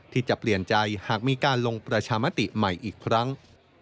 ที่จะเปลี่ยนใจหากมีการลงประชามติใหม่อีกครั้ง